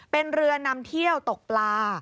เป็นเรือนำเที่ยวตกปลา